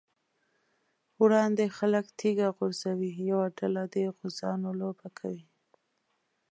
وړاندې خلک تيږه غورځوي، یوه ډله د غوزانو لوبه کوي.